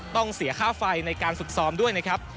ต้องเสียค่าไฟในการฝึกซ้อมด้วยนะครับ